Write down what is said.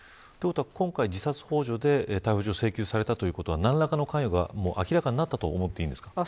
今回、自殺ほう助で逮捕状を請求ということは何らかの関与が明らかになったと考えていいんですか。